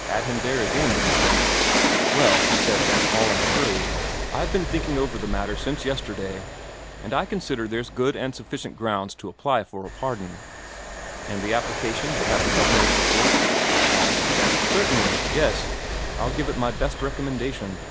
Had him there again, you see. 'Well,' he says, all of a hurry, 'I've been thinking over the matter since yesterday, and I consider there's good and sufficient grounds to apply for a pardon.' 'And the application would have the Governor's support?' I asked. 'Certainly; yes, I'll give it my best recommendation.'